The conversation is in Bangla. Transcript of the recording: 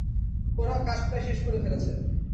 ওরা কাজ প্রায় শেষ করে ফেলেছে।